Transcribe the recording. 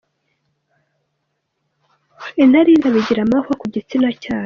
Intare y’ingabo igira amahwa ku gitsina cyayo.